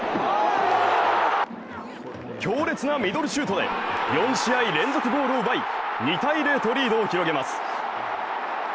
強烈なミドルシュートで４試合連続ゴールを奪い２−０とリードを広げます。